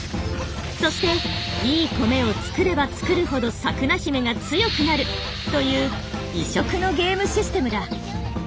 そしていい米を作れば作るほどサクナヒメが強くなるという異色のゲームシステムだ。